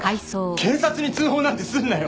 警察に通報なんてすんなよ。